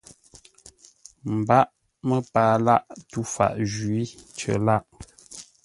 Ə́ mbáʼ məpaa lâʼ tû faʼ jwǐ cər lâʼ.